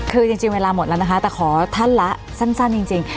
คือจริงเวลาหมดแล้วนะคะแต่ขอท่านละสั้นจริง